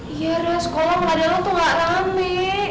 iya re sekolah pada lo tuh gak ramah mi